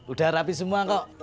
udah rapi semua kok